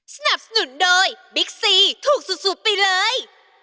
สนับสนุนโดยบิ๊กซีถูกสุดไปเลย